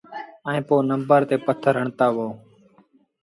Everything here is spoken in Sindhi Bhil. ائيٚݩ پو نمبر تي پٿر هڻتآ وهو۔